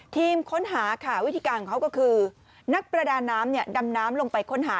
ทีมค้นหาค่ะวิธีการของเขาก็คือนักประดาน้ำดำน้ำลงไปค้นหา